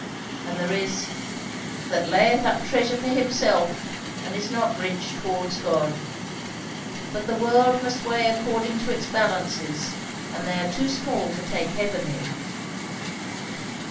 And there is, 'that layeth up treasure for himself, and is not rich towards God.' But the world must weigh according to its balances, and they are too small to take heaven in."